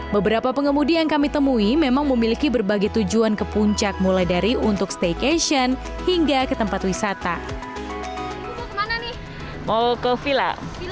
beberapa pengemudi yang kami temui memang memiliki berbagai tujuan ke puncak mulai dari untuk staycation hingga ke tempat wisata